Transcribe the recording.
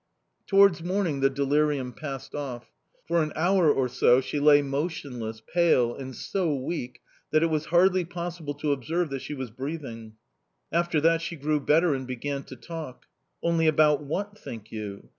"Towards morning the delirium passed off. For an hour or so she lay motionless, pale, and so weak that it was hardly possible to observe that she was breathing. After that she grew better and began to talk: only about what, think you?